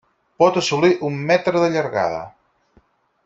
Pot assolir un metre de llargada.